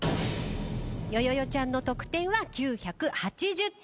ちゃんの得点は９８０点。